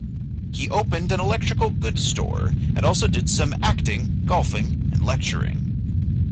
He opened an electrical goods store, and also did some acting, golfing, and lecturing.